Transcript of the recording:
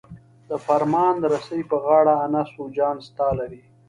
د فرمان رسۍ په غاړه انس او جان ستا لري.